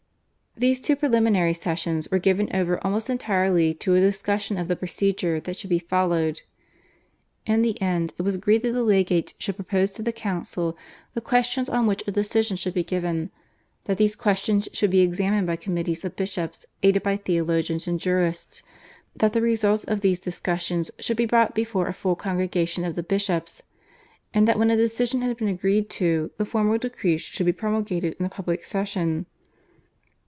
These two preliminary sessions were given over almost entirely to a discussion of the procedure that should be followed. In the end it was agreed that the legates should propose to the council the questions on which a decision should be given, that these questions should be examined by committees of bishops aided by theologians and jurists, that the results of these discussions should be brought before a full congregation of the bishops, and that when a decision had been agreed to the formal decrees should be promulgated in a public session.